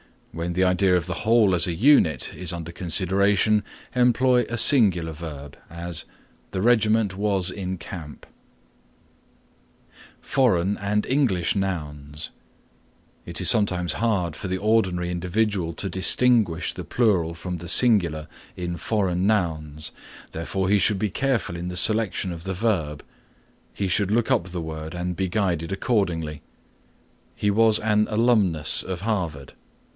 When the idea of the whole as a unit is under consideration employ a singular verb; as The regiment was in camp. (2) It is sometimes hard for the ordinary individual to distinguish the plural from the singular in foreign nouns, therefore, he should be careful in the selection of the verb. He should look up the word and be guided accordingly. "He was an alumnus of Harvard."